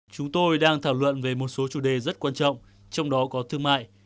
chúng tôi đang thảo luận về một số chủ đề rất quan trọng trong đó có thương mại